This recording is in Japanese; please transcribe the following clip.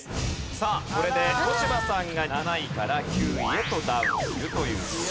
さあこれで小柴さんが７位から９位へとダウンするという事です。